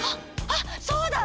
あっそうだ！